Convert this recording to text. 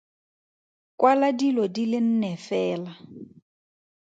Kwala dilo di le nne fela.